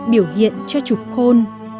biểu hiện cho trục khôn